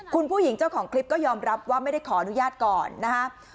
คุณผู้หญิงเจ้าของคลิปก็ยอมรับว่าไม่ได้ขออนุญาตก่อนนะครับ